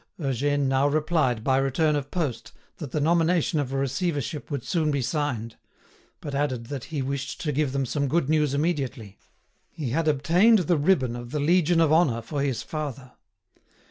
Eugène now replied by return of post that the nomination of a receivership would soon be signed; but added that he wished to give them some good news immediately. He had obtained the ribbon of the Legion of Honour for his father.